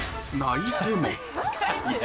泣いても。